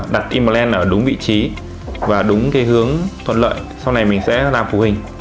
đặt implant ở đúng vị trí và đúng cái hướng thuận lợi sau này mình sẽ làm phụ hình